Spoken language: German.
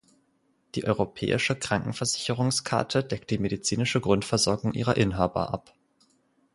Die Europäische Krankenversicherungskarte deckt die medizinische Grundversorgung ihrer Inhaber ab.